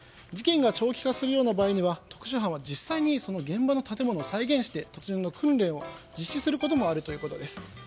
事件が長期化するような場合は特殊班は実際に現場の建物を再現して突入の訓練を実施することもあるということです。